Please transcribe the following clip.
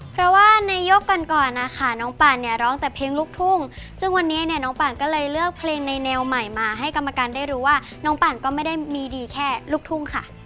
เพราะว่าในยกก่อนก่อนนะคะน้องป่านเนี่ยร้องแต่เพลงลูกทุ่งซึ่งวันนี้เนี่ยน้องป่านก็เลยเลือกเพลงในแนวใหม่มาให้กรรมการได้รู้ว่าน้องป่านก็ไม่ได้มีดีแค่ลูกทุ่งค่ะ